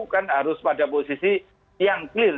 kan harus pada posisi yang clear